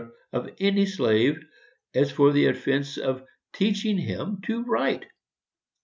of any slave, as for the offence of teaching him to write!